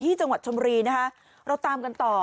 ที่จังหวัดชมรีนะฮะเราตามกันต่อ